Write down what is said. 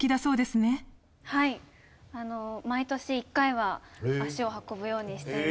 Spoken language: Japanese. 毎年１回は足を運ぶようにしています。